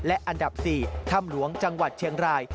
และอันดับ๔ถ้ำหลวงจังหวัดเชียงราย